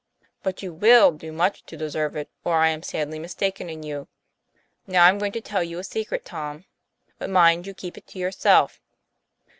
" But you will do much to deserve it, or I am sadly mistaken in you. Now, I'm going to tell you a secret, Tom; but mind you keep it to yourself.